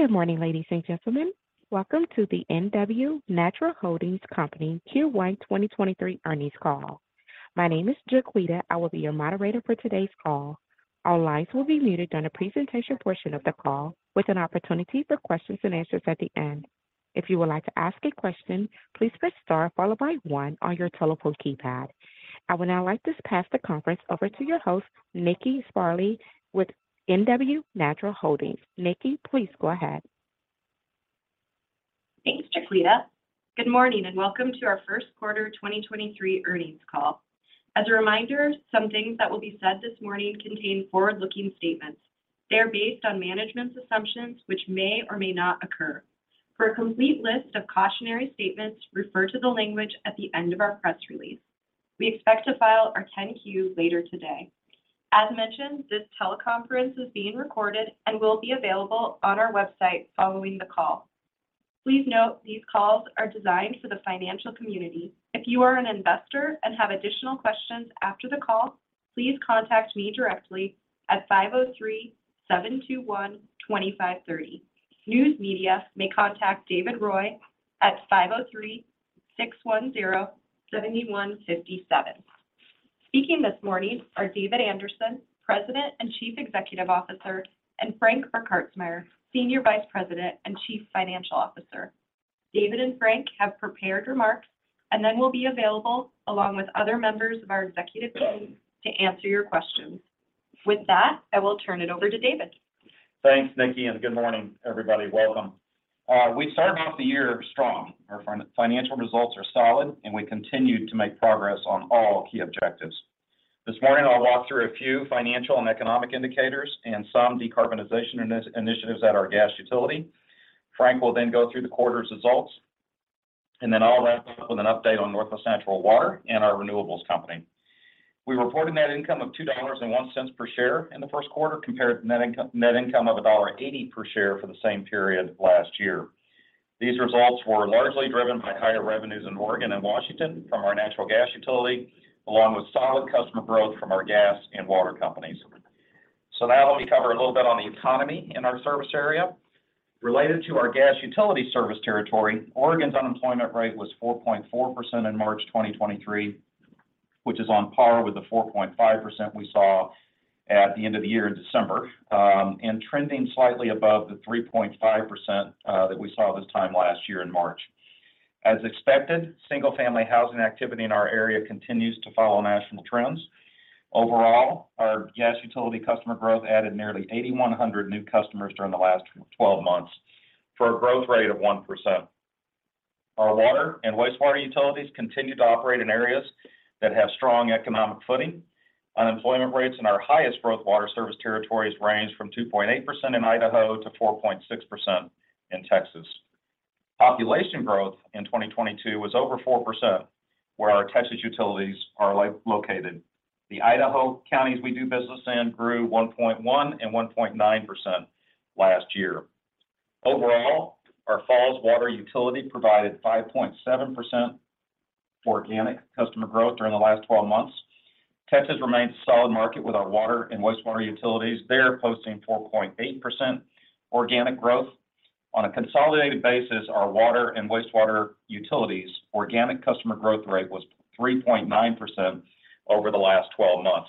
Good morning, ladies and gentlemen. Welcome to the NW Natural Holdings Q1 2023 earnings call. My name is Jaquita. I will be your moderator for today's call. All lines will be muted during the presentation portion of the call, with an opportunity for questions and answers at the end. If you would like to ask a question, please press star followed by one on your telephone keypad. I would now like to pass the conference over to your host, Nikki Sparley with NW Natural Holdings. Nikki, please go ahead. Thanks, Jaquita. Good morning, welcome to our first quarter 2023 earnings call. As a reminder, some things that will be said this morning contain forward-looking statements. They are based on management's assumptions which may or may not occur. For a complete list of cautionary statements, refer to the language at the end of our press release. We expect to file our 10-Q later today. As mentioned, this teleconference is being recorded and will be available on our website following the call. Please note, these calls are designed for the financial community. If you are an investor and have additional questions after the call, please contact me directly at 503-721-2530. News media may contact David Roy at 503-610-7157. Speaking this morning are David Anderson, President and Chief Executive Officer, and Frank Burkhartsmeyer, Senior Vice President and Chief Financial Officer. David and Frank have prepared remarks and then will be available along with other members of our executive team to answer your questions. With that, I will turn it over to David. Thanks, Nikki. Good morning, everybody. Welcome. We started off the year strong. Our financial results are solid, we continued to make progress on all key objectives. This morning, I'll walk through a few financial and economic indicators and some decarbonization initiatives at our gas utility. Frank will go through the quarter's results, I'll wrap up with an update on NW Natural Water and our renewables company. We reported net income of $2.01 per share in the first quarter compared to net income of $1.80 per share for the same period last year. These results were largely driven by higher revenues in Oregon and Washington from our natural gas utility, along with solid customer growth from our gas and water companies. Now let me cover a little bit on the economy in our service area. Related to our gas utility service territory, Oregon's unemployment rate was 4.4% in March 2023, which is on par with the 4.5% we saw at the end of the year in December, and trending slightly above the 3.5% that we saw this time last year in March. As expected, single-family housing activity in our area continues to follow national trends. Overall, our gas utility customer growth added nearly 8,100 new customers during the last 12 months for a growth rate of 1%. Our water and wastewater utilities continue to operate in areas that have strong economic footing. Unemployment rates in our highest growth water service territories range from 2.8% in Idaho to 4.6% in Texas. Population growth in 2022 was over 4%, where our Texas utilities are located. The Idaho counties we do business in grew 1.1% and 1.9% last year. Overall, our Falls Water Company provided 5.7% organic customer growth during the last 12 months. Texas remains a solid market with our water and wastewater utilities. They're posting 4.8% organic growth. On a consolidated basis, our water and wastewater utilities organic customer growth rate was 3.9% over the last 12 months.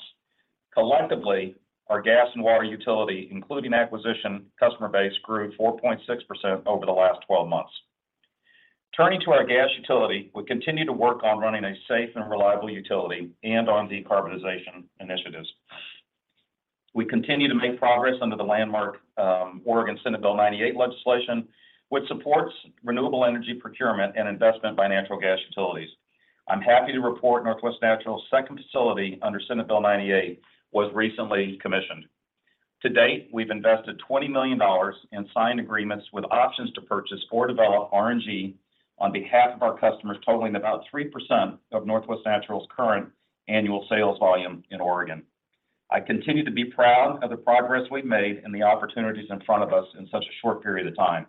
Collectively, our gas and water utility, including acquisition customer base, grew 4.6% over the last 12 months. Turning to our gas utility, we continue to work on running a safe and reliable utility and on decarbonization initiatives. We continue to make progress under the landmark Oregon Senate Bill 98 legislation, which supports renewable energy procurement and investment by natural gas utilities. I'm happy to report NW Natural's second facility under Senate Bill 98 was recently commissioned. To date, we've invested $20 million and signed agreements with options to purchase or develop RNG on behalf of our customers, totaling about 3% of NW Natural's current annual sales volume in Oregon. I continue to be proud of the progress we've made and the opportunities in front of us in such a short period of time.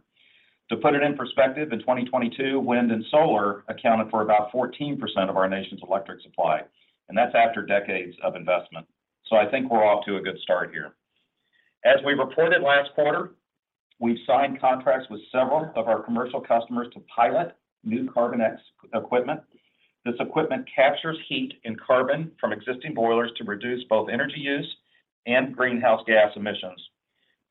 To put it in perspective, in 2022, wind and solar accounted for about 14% of our nation's electric supply, and that's after decades of investment. I think we're off to a good start here. As we reported last quarter, we've signed contracts with several of our commercial customers to pilot new carbon equipment. This equipment captures heat and carbon from existing boilers to reduce both energy use and greenhouse gas emissions.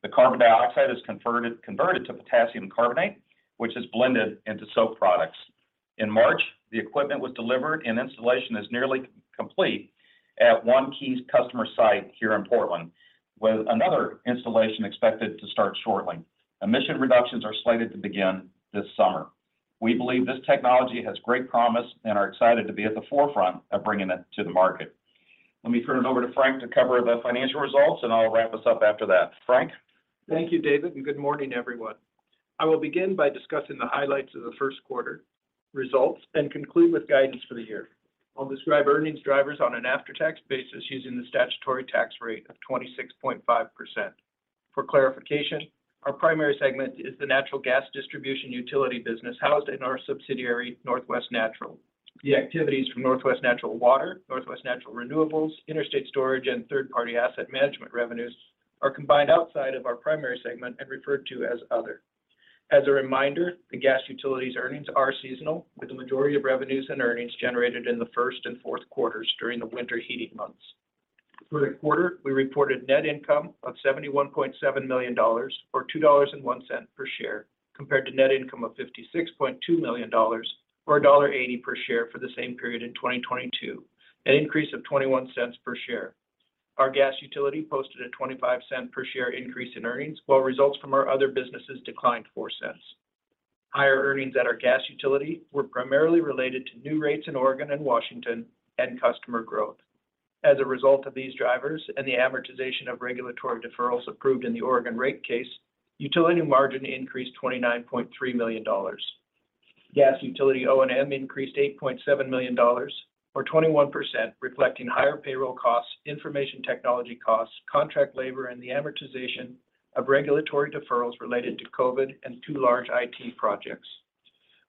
The carbon dioxide is converted to potassium carbonate, which is blended into soap products. In March, the equipment was delivered and installation is nearly complete at one key customer site here in Portland, with another installation expected to start shortly. Emission reductions are slated to begin this summer. We believe this technology has great promise and are excited to be at the forefront of bringing it to the market. Let me turn it over to Frank to cover the financial results, and I'll wrap us up after that. Frank? Thank you, David. Good morning, everyone. I will begin by discussing the highlights of the first quarter results and conclude with guidance for the year. I'll describe earnings drivers on an after-tax basis using the statutory tax rate of 26.5%. For clarification, our primary segment is the natural gas distribution utility business housed in our subsidiary, NW Natural. The activities from NW Natural Water, NW Natural Renewables, Interstate Storage, and third-party asset management revenues are combined outside of our primary segment and referred to as other. As a reminder, the gas utilities earnings are seasonal, with the majority of revenues and earnings generated in the first and fourth quarters during the winter heating months. For the quarter, we reported net income of $71.7 million or $2.01 per share, compared to net income of $56.2 million or $1.80 per share for the same period in 2022, an increase of $0.21 per share. Our gas utility posted a $0.25 per share increase in earnings, while results from our other businesses declined $0.04. Higher earnings at our gas utility were primarily related to new rates in Oregon and Washington and customer growth. As a result of these drivers and the amortization of regulatory deferrals approved in the Oregon rate case, utility margin increased $29.3 million. Gas utility O&M increased $8.7 million or 21%, reflecting higher payroll costs, information technology costs, contract labor, and the amortization of regulatory deferrals related to COVID and two large IT projects.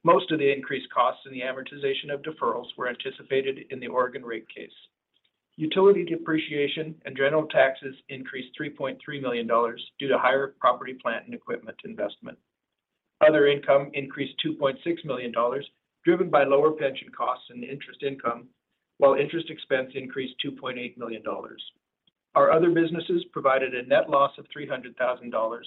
Most of the increased costs in the amortization of deferrals were anticipated in the Oregon rate case. Utility depreciation and general taxes increased $3.3 million due to higher property plant and equipment investment. Other income increased $2.6 million, driven by lower pension costs and interest income, while interest expense increased $2.8 million. Our other businesses provided a net loss of $300,000,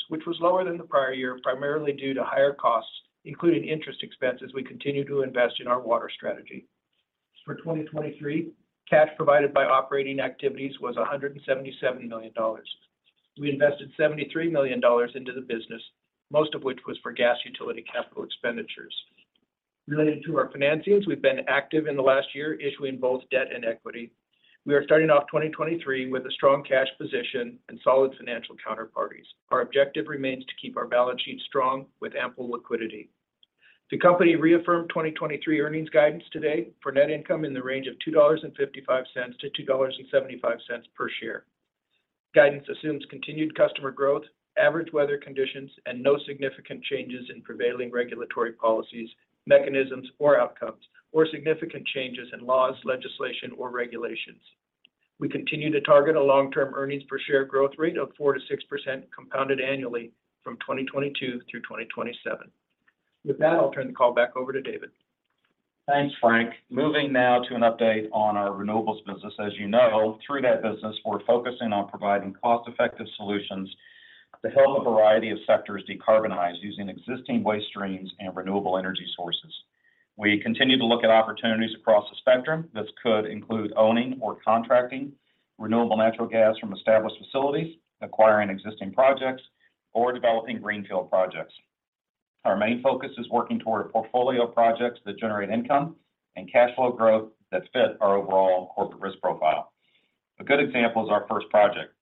which was lower than the prior year, primarily due to higher costs, including interest expense as we continue to invest in our water strategy. For 2023, cash provided by operating activities was $177 million. We invested $73 million into the business, most of which was for gas utility capital expenditures. Related to our financings, we've been active in the last year issuing both debt and equity. We are starting off 2023 with a strong cash position and solid financial counterparties. Our objective remains to keep our balance sheet strong with ample liquidity. The company reaffirmed 2023 earnings guidance today for net income in the range of $2.55-$2.75 per share. Guidance assumes continued customer growth, average weather conditions, no significant changes in prevailing regulatory policies, mechanisms or outcomes, or significant changes in laws, legislation or regulations. We continue to target a long-term earnings per share growth rate of 4% to 6% compounded annually from 2022 through 2027. With that, I'll turn the call back over to David. Thanks, Frank. Moving now to an update on our renewables business. As you know, through that business, we're focusing on providing cost-effective solutions to help a variety of sectors decarbonize using existing waste streams and renewable energy sources. We continue to look at opportunities across the spectrum. This could include owning or contracting renewable natural gas from established facilities, acquiring existing projects, or developing Greenfield projects. Our main focus is working toward a portfolio of projects that generate income and cash flow growth that fit our overall corporate risk profile. A good example is our first project.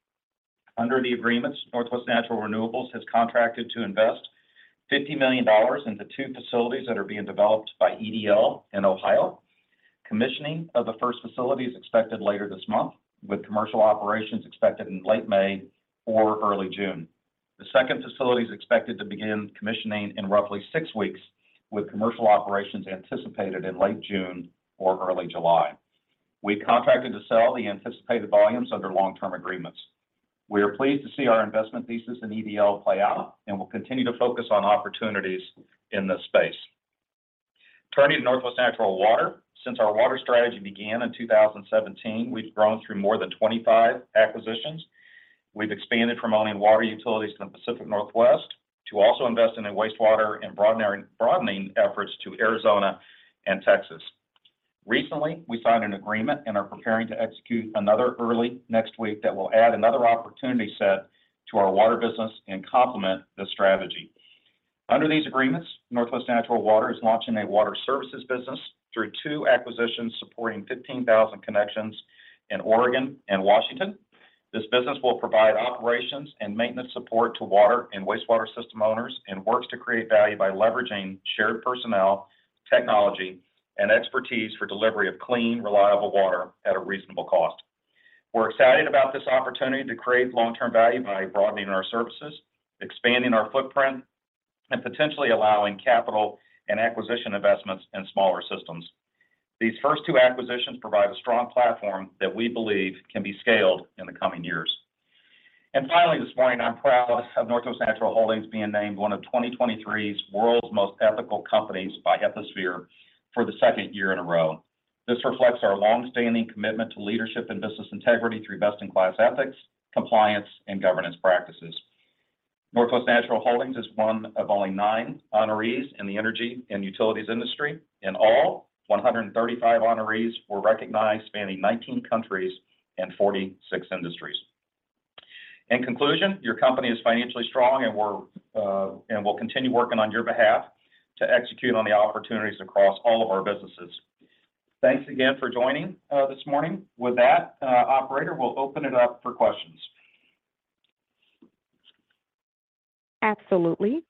Under the agreements, NW Natural Renewables has contracted to invest $50 million into two facilities that are being developed by EDL in Ohio. Commissioning of the first facility is expected later this month, with commercial operations expected in late May or early June. The second facility is expected to begin commissioning in roughly six weeks, with commercial operations anticipated in late June or early July. We contracted to sell the anticipated volumes under long-term agreements. We are pleased to see our investment thesis in EDL play out, and we'll continue to focus on opportunities in this space. Turning to NW Natural Water. Since our water strategy began in 2017, we've grown through more than 25 acquisitions. We've expanded from owning water utilities in the Pacific Northwest to also investing in wastewater and broadening efforts to Arizona and Texas. Recently, we signed an agreement and are preparing to execute another early next week that will add another opportunity set to our water business and complement this strategy. Under these agreements, NW Natural Water is launching a water services business through two acquisitions supporting 15,000 connections in Oregon and Washington. This business will provide operations and maintenance support to water and wastewater system owners and works to create value by leveraging shared personnel, technology, and expertise for delivery of clean, reliable water at a reasonable cost. We're excited about this opportunity to create long-term value by broadening our services, expanding our footprint, and potentially allowing capital and acquisition investments in smaller systems. These first two acquisitions provide a strong platform that we believe can be scaled in the coming years. Finally this morning, I'm proud of NW Natural Holdings being named one of 2023's World's Most Ethical Companies by Ethisphere for the second year in a row. This reflects our long-standing commitment to leadership and business integrity through best-in-class ethics, compliance, and governance practices. NW Natural Holdings is one of only nine honorees in the energy and utilities industry. In all, 135 honorees were recognized, spanning 19 countries and 46 industries. In conclusion, your company is financially strong, and we'll continue working on your behalf to execute on the opportunities across all of our businesses. Thanks again for joining this morning. With that, operator, we'll open it up for questions. Absolutely.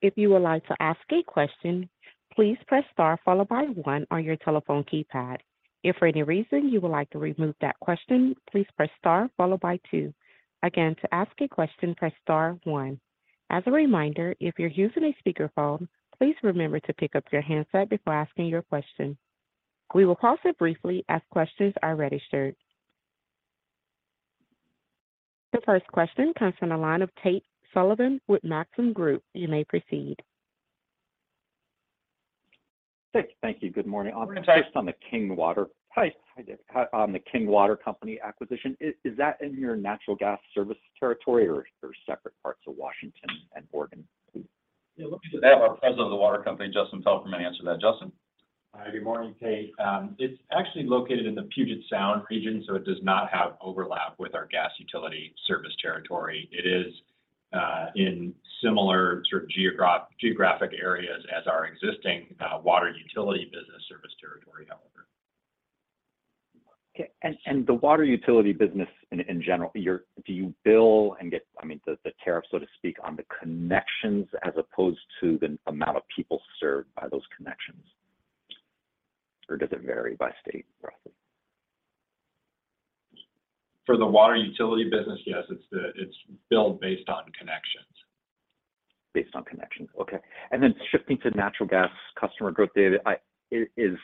If you would like to ask a question, please press star followed by one on your telephone keypad. If for any reason you would like to remove that question, please press star followed by two. Again, to ask a question, press star one. As a reminder, if you're using a speakerphone, please remember to pick up your handset before asking your question. We will pause briefly as questions are registered. The first question comes from the line of Tate Sullivan with Maxim Group. You may proceed. Thank you. Good morning. Good morning, Tate. Just on the King Water. Hi. Hi there. On the King Water Company acquisition, is that in your natural gas service territory or they're separate parts of Washington and Oregon? Our President of the water company, Justin Palfreyman, answer that. Justin. Hi. Good morning, Tate. It's actually located in the Puget Sound region, so it does not have overlap with our gas utility service territory. It is in similar sort of geographic areas as our existing water utility business service territory, however. Okay. The water utility business in general, do you bill and get, I mean, the tariff, so to speak, on the connections as opposed to the amount of people served by those connections? Or does it vary by state roughly? For the water utility business, yes, it's billed based on connections. Based on connections. Okay. Then shifting to natural gas customer growth data, Is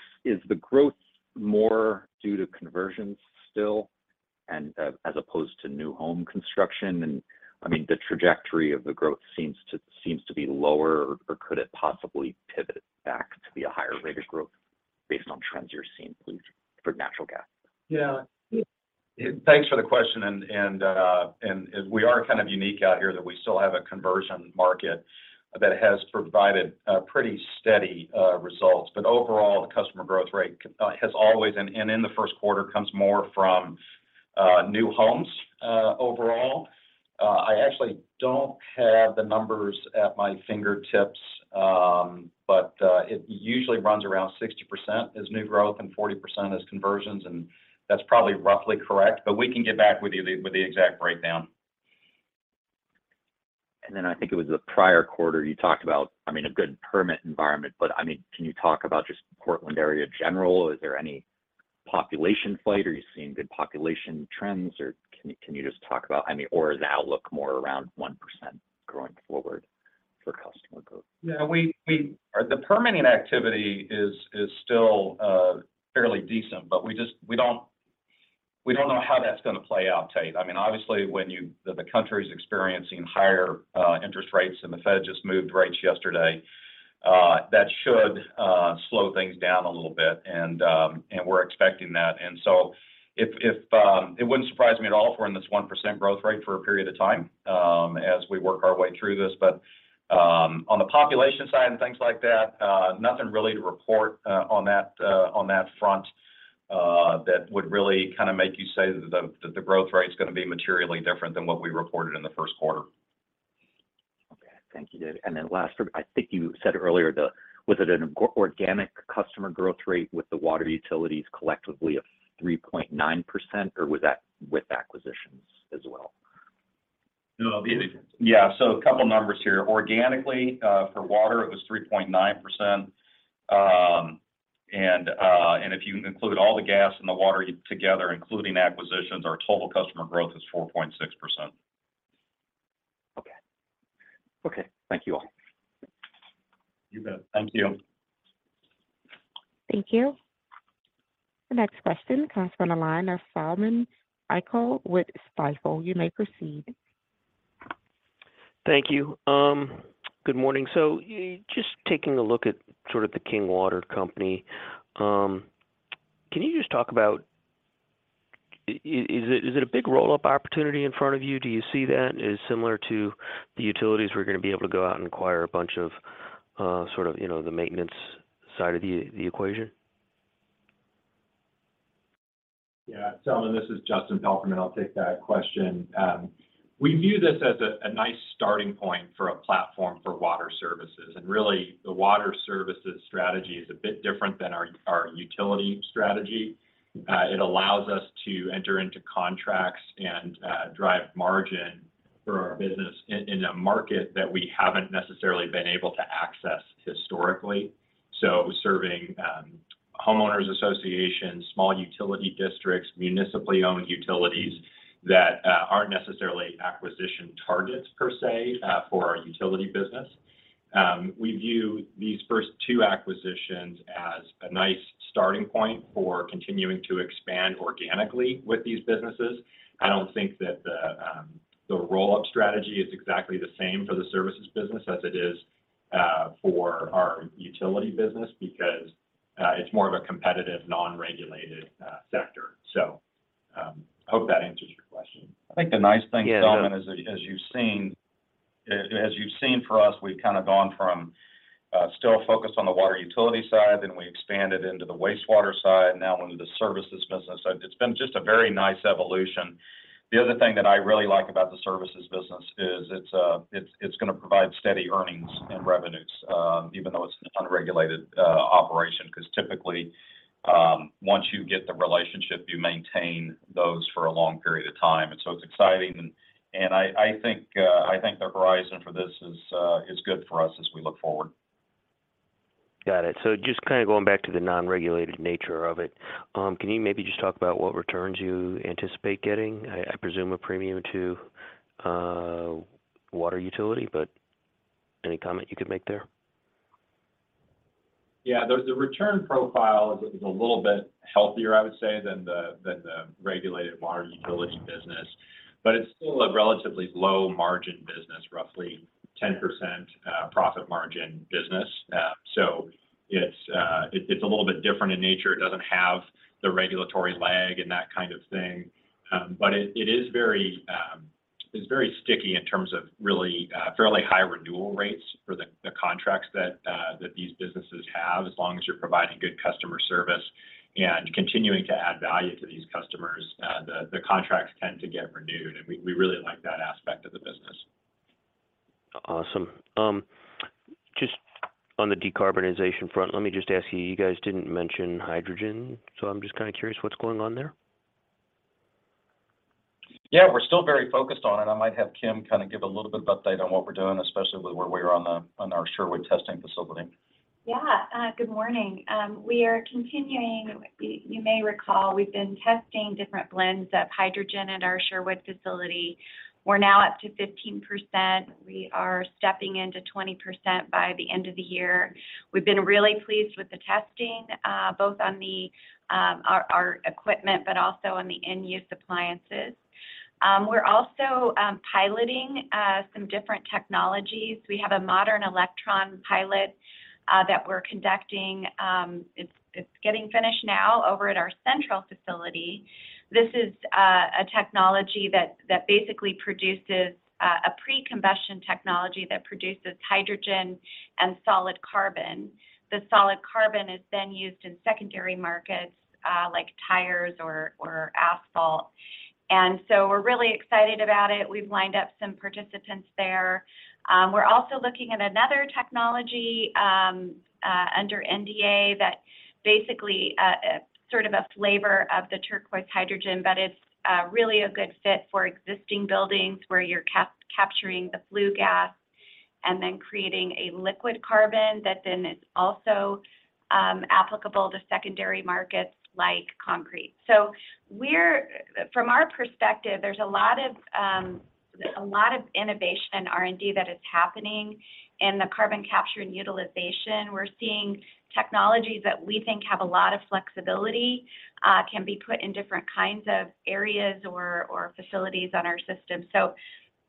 the growth more due to conversions still and, as opposed to new home construction? I mean, the trajectory of the growth seems to be lower, or could it possibly pivot back to be a higher rate of growth based on trends you're seeing please for natural gas? Thanks for the question and we are kind of unique out here that we still have a conversion market that has provided pretty steady results. Overall, the customer growth rate has always and in the first quarter comes more from new homes overall. I actually don't have the numbers at my fingertips, but it usually runs around 60% as new growth and 40% as conversions, and that's probably roughly correct. We can get back with you with the exact breakdown. I think it was the prior quarter you talked about, I mean, a good permit environment. I mean, can you talk about just Portland area general? Is there any population flight? Are you seeing good population trends? Can you just talk about I mean, or is the outlook more around 1% going forward for customer growth? Yeah. The permitting activity is still fairly decent, but we don't know how that's gonna play out, Tate. I mean, obviously, the country's experiencing higher interest rates, and the Fed just moved rates yesterday, that should slow things down a little bit and we're expecting that. It wouldn't surprise me at all if we're in this 1% growth rate for a period of time as we work our way through this. On the population side and things like that, nothing really to report on that on that front that would really kind of make you say that the growth rate's gonna be materially different than what we reported in the first quarter. Okay. Thank you. Last, I think you said earlier the organic customer growth rate with the water utilities collectively of 3.9% or was that with acquisitions as well? No. Yeah. A couple numbers here. Organically, for water it was 3.9%. If you include all the gas and the water together including acquisitions, our total customer growth is 4.6%. Okay. Okay. Thank you all. You bet. Thank you. Thank you. The next question comes from the line of Selman Akyol with Stifel. You may proceed. Thank you. Good morning. Just taking a look at sort of the King Water Company, can you just talk about, is it a big roll-up opportunity in front of you? Do you see that as similar to the utilities who are going to be able to go out and acquire a bunch of, sort of, you know, the maintenance side of the equation? Yeah. Selman, this is Justin Palfreyman, I'll take that question. We view this as a nice starting point for a platform for water services. The water services strategy is a bit different than our utility strategy. It allows us to enter into contracts and drive margin for our business in a market that we haven't necessarily been able to access historically. Serving homeowners associations, small utility districts, municipally owned utilities that aren't necessarily acquisition targets per se for our utility business. We view these first two acquisitions as a nice starting point for continuing to expand organically with these businesses. I don't think that the roll-up strategy is exactly the same for the services business as it is for our utility business because it's more of a competitive non-regulated sector. hope that answers your question. I think the nice thing, Selman- Yeah. As you've seen, as you've seen for us, we've kind of gone from, still focused on the water utility side, then we expanded into the wastewater side, now into the services business. It's been just a very nice evolution. The other thing that I really like about the services business is it's gonna provide steady earnings and revenues, even though it's an unregulated operation, 'cause typically, once you get the relationship, you maintain those for a long period of time. It's exciting and I think the horizon for this is good for us as we look forward. Got it. Just kind of going back to the non-regulated nature of it, can you maybe just talk about what returns you anticipate getting? I presume a premium to water utility, but any comment you could make there? Yeah. The return profile is a little bit healthier, I would say, than the regulated water utility business, but it's still a relatively low margin business, roughly 10% profit margin business. It's a little bit different in nature. It doesn't have the regulatory lag and that kind of thing. It is very sticky in terms of really fairly high renewal rates for the contracts that these businesses have as long as you're providing good customer service and continuing to add value to these customers. The contracts tend to get renewed, and we really like that aspect of the business. Awesome. Just on the decarbonization front, let me just ask you. You guys didn't mention hydrogen, so I'm just kinda curious what's going on there. Yeah. We're still very focused on it. I might have Kim kind of give a little bit of update on what we're doing, especially with where we are on our Sherwood testing facility. Yeah. Good morning. We are continuing. You may recall we've been testing different blends of hydrogen at our Sherwood facility. We're now up to 15%. We are stepping into 20% by the end of the year. We've been really pleased with the testing, both on the our equipment but also on the in-use appliances. We're also piloting some different technologies. We have a Modern Electron pilot that we're conducting. It's getting finished now over at our Central facility. This is a technology that basically produces a pre-combustion technology that produces hydrogen and solid carbon. The solid carbon is then used in secondary markets, like tires or asphalt. We're really excited about it. We've lined up some participants there. We're also looking at another technology under NDA that basically sort of a flavor of the Turquoise hydrogen, but it's really a good fit for existing buildings where you're capturing the flue gas and then creating a liquid carbon that then is also applicable to secondary markets like concrete. From our perspective, there's a lot of innovation and R&D that is happening in the carbon capture and utilization. We're seeing technologies that we think have a lot of flexibility, can be put in different kinds of areas or facilities on our system.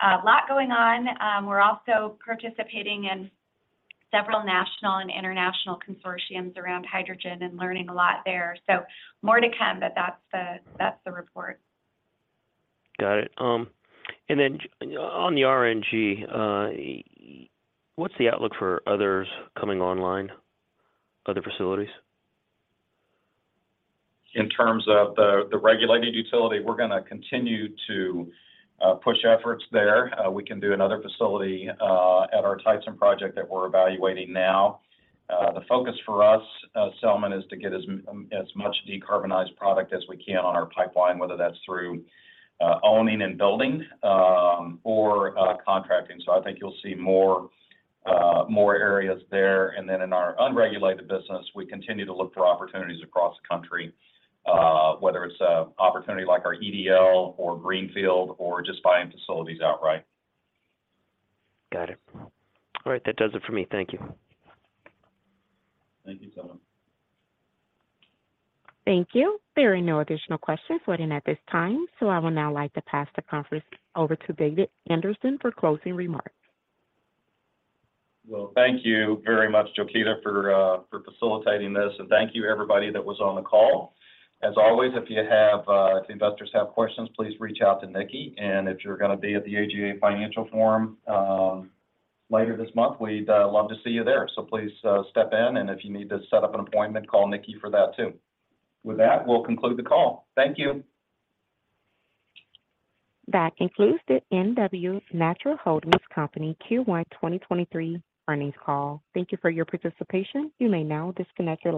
A lot going on. We're also participating in several national and international consortiums around hydrogen and learning a lot there. More to come, but that's the, that's the report. Got it. On the RNG, what's the outlook for others coming online, other facilities? In terms of the regulated utility, we're gonna continue to push efforts there. We can do another facility at our Tyson project that we're evaluating now. The focus for us, Selman, is to get as much decarbonized product as we can on our pipeline, whether that's through owning and building, or contracting. I think you'll see more areas there. In our unregulated business, we continue to look for opportunities across the country, whether it's a opportunity like our EDL or Greenfield or just buying facilities outright. Got it. All right. That does it for me. Thank you. Thank you, Selman. Thank you. There are no additional questions waiting at this time. I would now like to pass the conference over to David Anderson for closing remarks. Well, thank you very much, Jaquita, for facilitating this. Thank you everybody that was on the call. As always, if you have, if the investors have questions, please reach out to Nikki. If you're gonna be at the AGA Financial Forum later this month, we'd love to see you there. Please, step in, and if you need to set up an appointment, call Nikki for that too. With that, we'll conclude the call. Thank you. That concludes the NW Natural Holding Company Q1 2023 earnings call. Thank you for your participation. You may now disconnect your line.